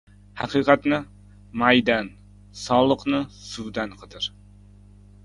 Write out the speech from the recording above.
Haqiqatni – maydan, sog‘liqni – suvdan qidir.